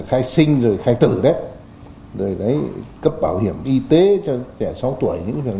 khai sinh khai tử cấp bảo hiểm y tế cho trẻ sáu tuổi